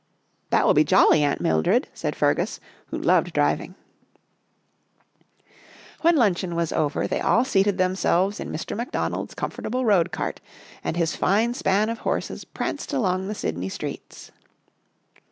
"That will be jolly, Aunt Mildred," said Fergus, who loved driving. 20 A Drive 21 When luncheon was over they all seated them selves in Mr. McDonald's comfortable road cart, and his fine span of horses pranced along the Sydney streets.